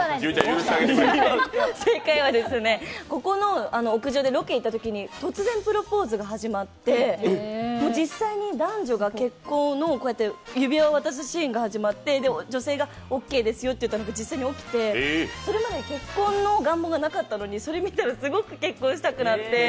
正解は、ここの屋上でロケに行ったときに突然プロポーズが始まって、実際に男女が結婚の、指輪を渡すシーンが始まって、女性が、ＯＫですよって言ったのが実際に起きてそれまでに結婚の願望がなかったのに、それを見ていたら、すごく結婚したくなって。